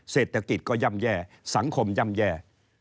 เศรษฐกิจก็ย่ำแย่สังคมย่ำแย่